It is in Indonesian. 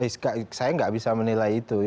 saya nggak bisa menilai itu